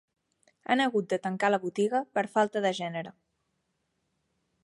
Han hagut de tancar la botiga per falta de gènere.